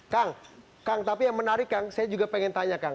kang kang tapi yang menarik kang saya juga pengen tanya kang